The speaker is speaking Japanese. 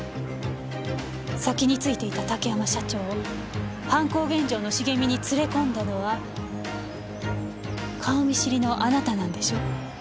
先に着いていた竹山社長を犯行現場の茂みに連れ込んだのは顔見知りのあなたなんでしょ？